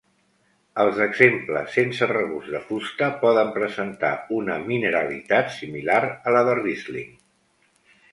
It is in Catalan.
Els exemples sense regust de fusta poden presentar una mineralitat similar a la de Riesling.